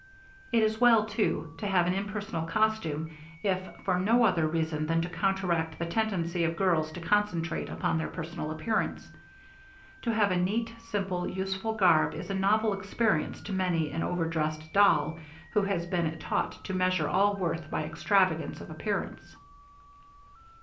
It is well, too, to have an impersonal costume, if for no other reason than to counteract the tendency of girls to concentrate upon their personal appearance. To have a neat, simple, useful garb is a novel experience to many an overdressed doll who has been taught to measure all worth by extravagance of appearance.